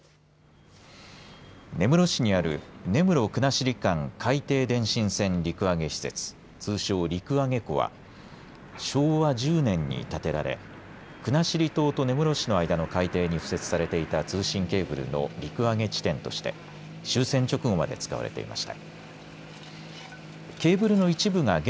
根室市にある根室国後間海底電信線陸揚施設通称陸揚庫は昭和１０年に建てられ国後島と根室市の間の海底に敷設されていた通信ケーブルの陸揚げ地点として終戦直後まで使われていました。